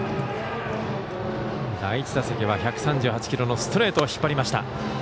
第１打席は１３８キロのストレートを引っ張りました。